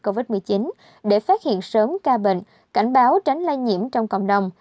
covid một mươi chín để phát hiện sớm ca bệnh cảnh báo tránh lây nhiễm trong cộng đồng